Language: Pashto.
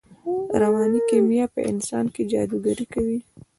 رواني کیمیا په انسان کې جادوګري کوي